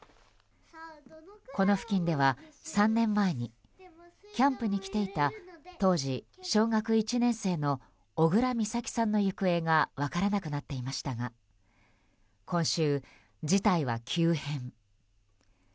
この付近では３年前にキャンプに来ていた当時小学１年生の小倉美咲さんの行方が分からなくなっていましたが今週、事態は急変。